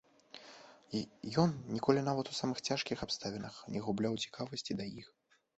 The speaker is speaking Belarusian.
Ён ніколі, нават у самых цяжкіх абставінах, не губляў цікавасці да іх.